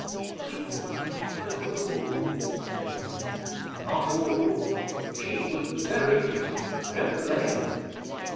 'I thought philosophers were bald,' said Una. 'Not all. She was very pretty. I don't blame him.